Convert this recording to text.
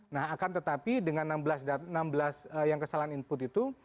nah akan tetapi dengan enam belas yang kesalahan input itu